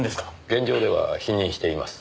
現状では否認しています。